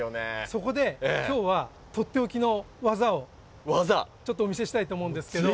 そこで今日はとっておきの技をお見せしたいと思うんですけど。